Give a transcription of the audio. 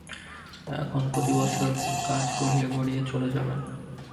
এখন প্রতি বৎসর কাজ গড়িয়ে গড়িয়ে চলে যাবে।